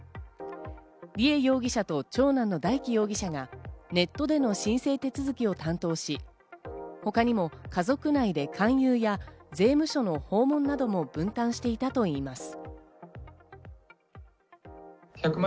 梨恵容疑者と長男の大祈容疑者がネットでの申請手続きを担当し、他にも家族内で勧誘や税務署の訪問なども分担していたといいます。